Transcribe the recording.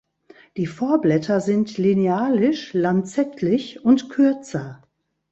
Die Vorblätter sind linealisch-lanzettlich und kürzer.